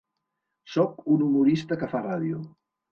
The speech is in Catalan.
Soc un humorista que fa ràdio.